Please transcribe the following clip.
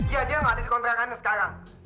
iya dia gak ada di kontrakannya sekarang